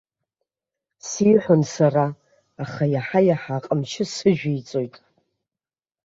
Сиҳәон сара, аха иаҳа-иаҳа аҟамчы сыжәиҵоит.